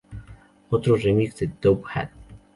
Otro remix de Dope Hat.